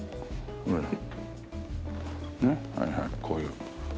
こういう。